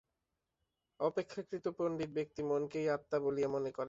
অপেক্ষাকৃত পণ্ডিত ব্যক্তি মনকেই আত্মা বলিয়া মনে করেন।